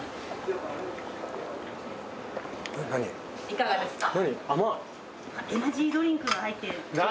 いかがですか？